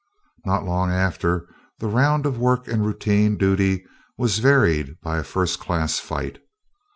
Not long after, the round of work and routine duty was varied by a first class fight.